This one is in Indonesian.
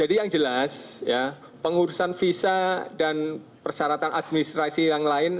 jadi yang jelas ya pengurusan visa dan persyaratan administrasi yang lain